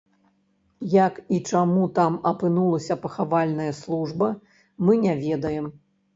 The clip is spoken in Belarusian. Як і чаму там апынулася пахавальная служба, мы не ведаем.